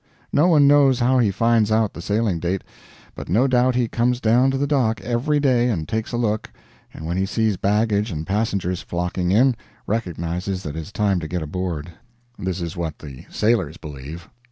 No one knows how he finds out the sailing date, but no doubt he comes down to the dock every day and takes a look, and when he sees baggage and passengers flocking in, recognizes that it is time to get aboard. This is what the sailors believe.